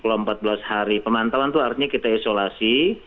kalau empat belas hari pemantauan itu artinya kita isolasi